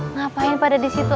ngapain pada di situ